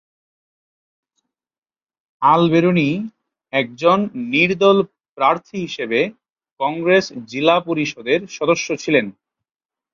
আল-বেরুনী, একজন নির্দল প্রার্থী হিসেবে কংগ্রেস জিলা পরিষদের সদস্য ছিলেন।